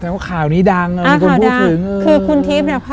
ซึ่งปกติมันเป็นพี่ทิ้บ